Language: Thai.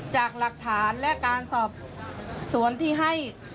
จากหลักฐานและการสอบสวนที่ให้